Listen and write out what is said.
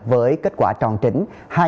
với kết quả tròn trĩnh